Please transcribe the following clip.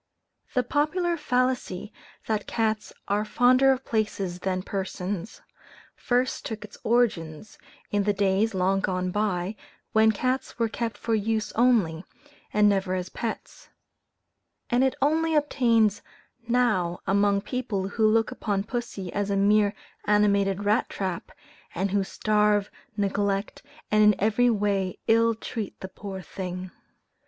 The popular fallacy, that cats are fonder of places than persons, first took its origin in the days, long gone by, when cats were kept for use only, and never as pets; and it only obtains now among people who look upon pussy as a mere animated rat trap, and who starve, neglect, and in every way ill treat the poor thing.